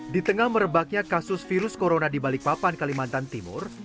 di tengah merebaknya kasus virus corona di balikpapan kalimantan timur